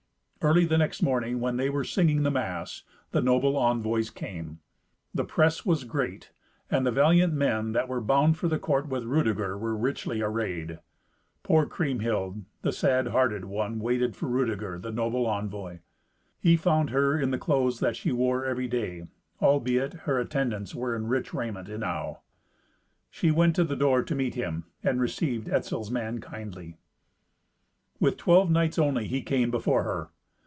Early the next morning when they were singing the mass, the noble envoys came. The press was great, and the valiant men that were bound for the court with Rudeger were richly arrayed. Poor Kriemhild, the sad hearted one, waited for Rudeger, the noble envoy. He found her in the clothes that she wore every day, albeit her attendants were in rich raiment enow. She went to the door to meet him, and received Etzel's man kindly. With twelve knights only he came before her.